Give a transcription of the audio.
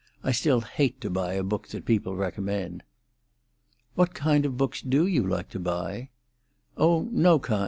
I still hate to buy a book that people recommend." "What kind of books do you like to buy?" "Oh, no kind.